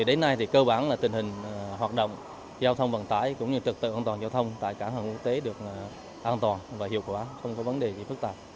đến nay thì cơ bản là tình hình hoạt động giao thông vận tải cũng như trực tự an toàn giao thông tại cảng hàng quốc tế được an toàn và hiệu quả không có vấn đề gì phức tạp